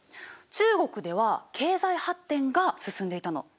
中国では経済発展が進んでいたの。